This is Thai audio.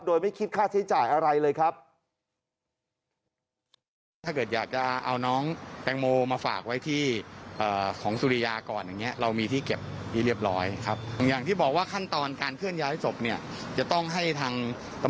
โดยไม่คิดค่าใช้จ่ายอะไรเลยครับ